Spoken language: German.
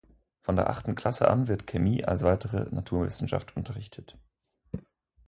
Von der achten Klasse an wird Chemie als weitere Naturwissenschaft unterrichtet.